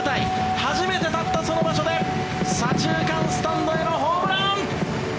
初めて立ったその場所で左中間スタンドへのホームラン！